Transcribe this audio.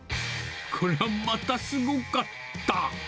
こりゃまたすごかった。